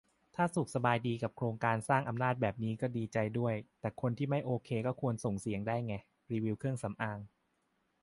ถ้าสุขสบายดีกับโครงสร้างอำนาจแบบนี้ก็ดีใจด้วย แต่คนที่ไม่โอเคก็ควรส่งเสียงได้ไง รีวิวเครื่องสำอาง